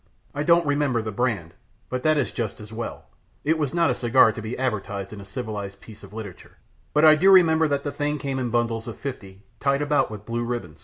I don't remember the brand, but that is just as well it was not a cigar to be advertised in a civilized piece of literature but I do remember that they came in bundles of fifty, tied about with blue ribbon.